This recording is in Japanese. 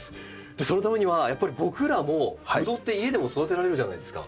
そのためにはやっぱり僕らもブドウって家でも育てられるじゃないですか。